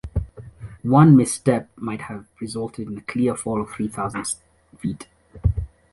One misstep might have resulted in a clear fall of three thousand feet.